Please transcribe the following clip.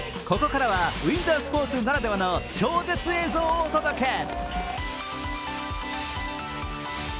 ここからはウインタースポーツならではの超絶映像をお届け。